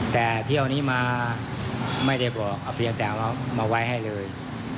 แต่เที่ยวนี้มาไม่ได้บอกเอาเพียงแต่เอามาไว้ให้เลย